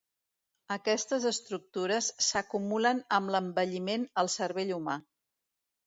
Aquestes estructures s’acumulen amb l’envelliment al cervell humà.